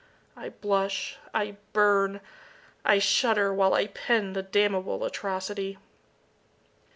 I blush, I burn, I shudder, while I pen the damnable atrocity.